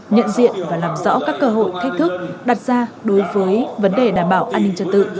nhận diện và làm rõ các cơ hội thách thức đặt ra đối với vấn đề đảm bảo an ninh trật tự